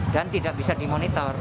dan tidak bisa dimonitor